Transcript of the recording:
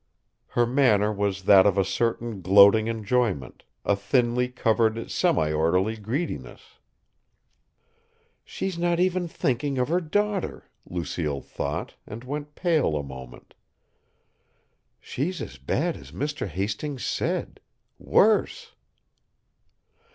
Her manner was that of a certain gloating enjoyment, a thinly covered, semi orderly greediness. "She's not even thinking of her daughter," Lucille thought, and went pale a moment. "She's as bad as Mr. Hastings said worse!"